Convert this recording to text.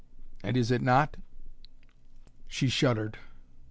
"And is it not?" She shuddered.